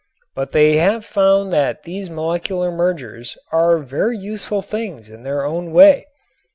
But they have found that these molecular mergers are very useful things in their way.